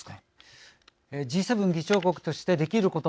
Ｇ７議長国としてできること。